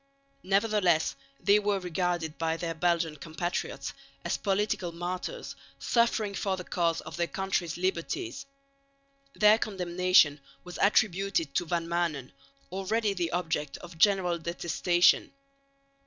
Nevertheless they were regarded by their Belgian compatriots as political martyrs suffering for the cause of their country's liberties. Their condemnation was attributed to Van Maanen, already the object of general detestation.